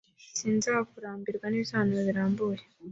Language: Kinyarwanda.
Sinzakurambirwa nibisobanuro birambuye.